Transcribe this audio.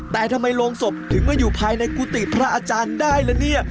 แต่ทำไมโรงศพถึงมาอยู่ภายในกุฏิพระอาจารย์ได้ละเนี่ย